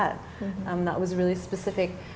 itu era yang spesifik